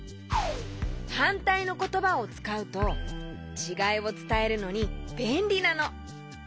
はんたいのことばをつかうとちがいをつたえるのにべんりなの！